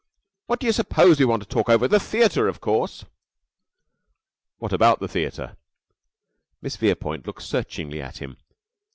What do you suppose we want to talk over? The theater, of course." "What about the theater?" Miss Verepoint looked searchingly at him.